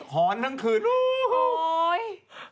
หอนทั้งคืนโอ้โห